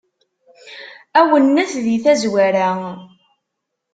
Awennet di tazwara.